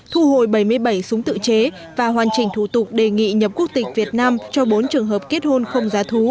thu hồi bảy mươi bảy súng tự chế và hoàn chỉnh thủ tục đề nghị nhập quốc tịch việt nam cho bốn trường hợp kết hôn không giá thú